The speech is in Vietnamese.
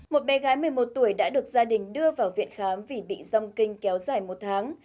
một bé gái một mươi một tuổi đã được gia đình đưa vào viện khám vì bị rông kinh kéo dài một tháng